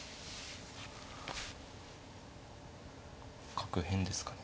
角変ですかね。